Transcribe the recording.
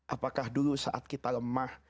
apakah dulu saat kita lemah